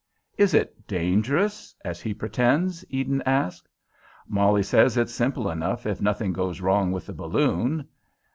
"Is it dangerous, as he pretends?" Eden asked. "Molly says it's simple enough if nothing goes wrong with the balloon.